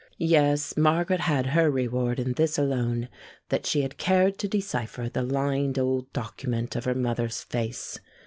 Yes! Margaret had her reward in this alone that she had cared to decipher the lined old document of her mother's face.